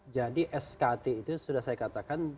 jadi skt itu sudah saya katakan